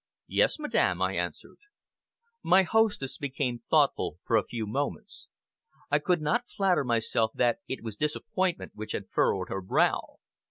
"Yes, Madame!" I answered. My hostess became thoughtful for a few moments. I could not flatter myself that it was disappointment which had furrowed her brow.